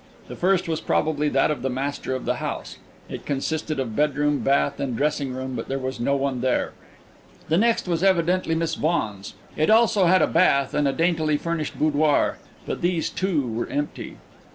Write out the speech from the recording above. The first was probably that of the master of the house. It consisted of bedroom, bath and dressing room, but there was no one there. The next was evidently Miss Vaughan's. It also had a bath and a daintily furnished boudoir; but these, too, were empty.